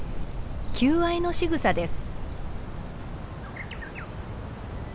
求愛のしぐさです。